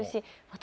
私